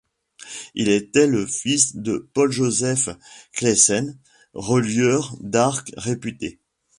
Il était le fils de Paul-Joseph Claessens, relieur d'art réputé.